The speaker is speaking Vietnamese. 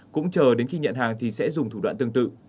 cũng chờ đến khi nhận hàng thì sẽ dùng thủ đoạn tương tự